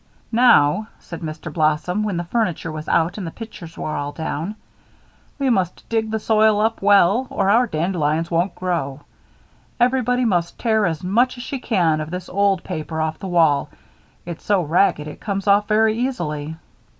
"Now," said Mr. Blossom, when the furniture was out and the pictures were all down, "we must dig the soil up well or our dandelions won't grow. Everybody must tear as much as she can of this old paper off the wall; it's so ragged it comes off very easily."